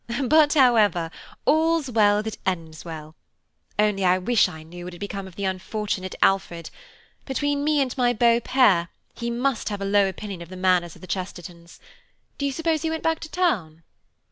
"But, however, all's well that ends well; only I wish I knew what had become of the unfortunate Alfred; between me and my beau père, he must have a low opinion of the manners of the Chestertons. Do you suppose he went back to town?"